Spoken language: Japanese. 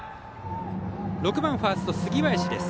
６番ファースト、杉林。